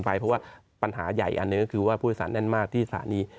เพราะว่าปัญหาใหญ่อันหนึ่งก็คือว่าผู้โดยสารแน่นมากที่สถานี